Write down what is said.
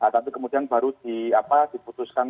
tapi kemudian baru diputuskan